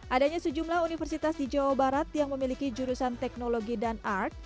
adanya sejumlah universitas di jawa barat yang memiliki jurusan teknologi dan art